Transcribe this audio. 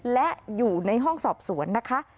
และอยู่ในห้องสอบสวนนะคะ